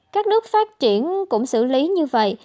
các nước phát triển cũng xử lý như vậy